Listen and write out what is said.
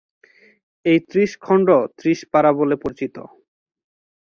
এই ত্রিশ খন্ড ত্রিশ পারা বলে পরিচিত।